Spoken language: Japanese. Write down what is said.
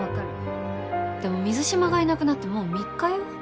でも水島がいなくなってもう３日よ。